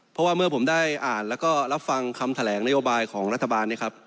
เพราะว่าเมื่อผมได้อ่านแล้วก็รับฟังคำแถลงนโยบายของรัฐบาลเนี่ยครับ